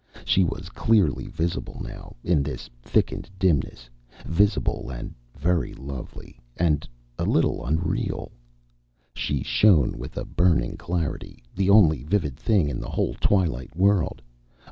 She was clearly visible now, in this thickened dimness visible, and very lovely, and a little unreal. She shone with a burning clarity, the only vivid thing in the whole twilit world.